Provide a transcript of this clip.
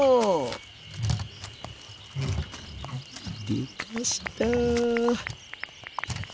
でかした。